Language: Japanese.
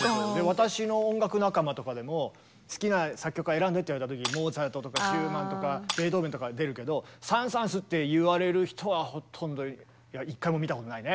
私の音楽仲間とかでも好きな作曲家選んでっていわれた時にモーツァルトとかシューマンとかベートーベンとかは出るけどサン・サーンスっていわれる人はほとんどいや一回も見たことないね。